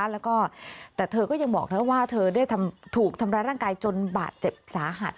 แล้วก็แต่เธอก็ยังบอกนะว่าเธอได้ถูกทำร้ายร่างกายจนบาดเจ็บสาหัส